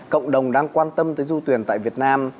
cộng đồng đang quan tâm tới du thuyền tại việt nam